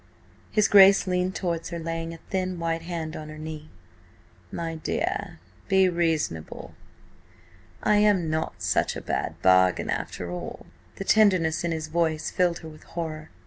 His Grace leaned towards her, laying a thin, white hand on her knee. "My dear, be reasonable. I am not such a bad bargain after all." The tenderness in his voice filled her with horror.